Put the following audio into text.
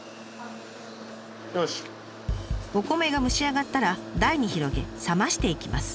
お米が蒸し上がったら台に広げ冷ましていきます。